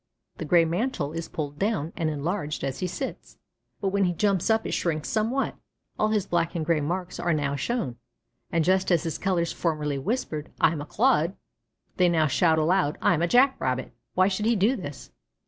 The gray mantle is pulled down and enlarged as he sits, but when he jumps up it shrinks somewhat, all his black and white marks are now shown, and just as his colors formerly whispered, "I am a clod," they now shout aloud, "I am a Jack rabbit." Why should he do this?